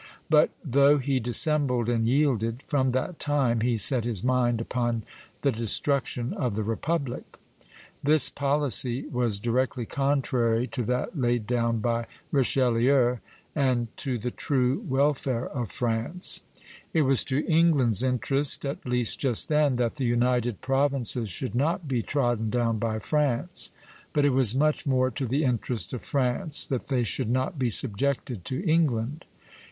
But, though he dissembled and yielded, from that time he set his mind upon the destruction of the republic. This policy was directly contrary to that laid down by Richelieu, and to the true welfare of France. It was to England's interest, at least just then, that the United Provinces should not be trodden down by France; but it was much more to the interest of France that they should not be subjected to England.